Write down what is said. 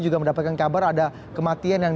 juga mendapatkan kabar ada kematian yang